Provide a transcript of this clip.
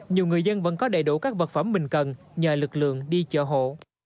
nhiều người dân vẫn có đầy đủ các vật phẩm mình cần nhờ lực lượng đi chợ hộ